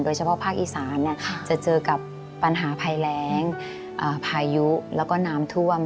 โดยเฉพาะภาคอีสานจะเจอกับปัญหาภายแรงภายุแล้วก็น้ำทุ่ม